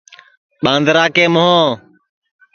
ٻاندرا کے مھوں